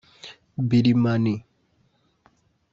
Birmanie